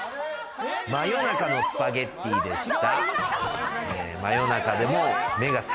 真夜中のスパゲティでした。